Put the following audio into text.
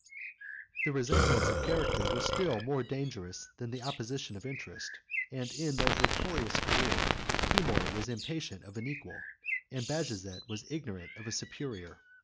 The resemblance of character was still more dangerous than the opposition of interest; and in their victorious career, Timour was impatient of an equal, and Bajazet was ignorant of a superior.